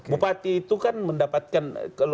bupati itu kan mendapatkan